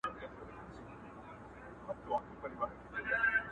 زه زارۍ درته کومه هندوستان ته مه ځه ګرانه.!